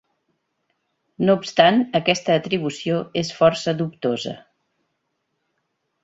No obstant aquesta atribució és força dubtosa.